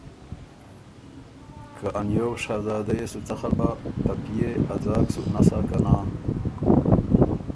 که ا نیوو شهزاده يې سو څخل بۀ، ته پئےا ځاک سُو نسا که نا